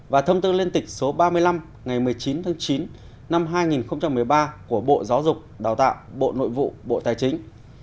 và thông tư liên tịch số ba mươi năm ngày một mươi chín tháng chín năm hai nghìn một mươi ba của bộ giáo dục đào tạo bộ nội vụ bộ tài chính